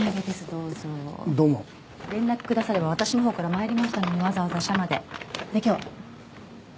どうぞどうも連絡くだされば私のほうから参りましたのにわざわざ社までで今日は？